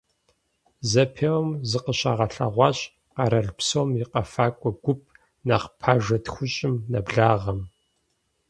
Зэпеуэм зыкъыщагъэлъэгъуащ къэрал псом и къэфакӀуэ гуп нэхъ пажэ тхущӀым нэблагъэм.